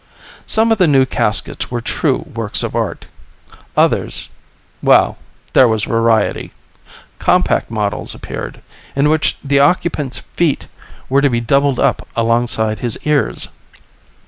Some of the new caskets were true works of art. Others well, there was variety. Compact models appeared, in which the occupant's feet were to be doubled up alongside his ears.